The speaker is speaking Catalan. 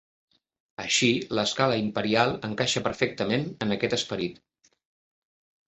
Així, l'escala imperial encaixa perfectament en aquest esperit.